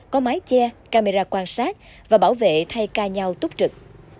có mái che camera quan sát và bảo vệ thay ca nhau túc trực